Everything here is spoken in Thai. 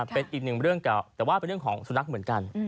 เป็นอีกหนึ่งเรื่องเก่าแต่ว่าเป็นเรื่องของสุนัขเหมือนกัน